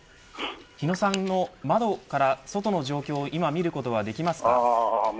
日野さんの窓から外の状況を見ることはできますか。